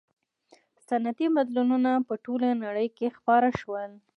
• صنعتي بدلونونه په ټولې نړۍ کې خپاره شول.